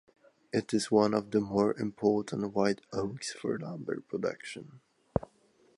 It is one of the more important white oaks for lumber production.